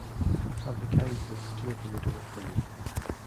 Have the kindness to open the door for me.